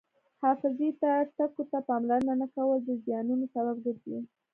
حفاظتي ټکو ته پاملرنه نه کول د زیانونو سبب ګرځي.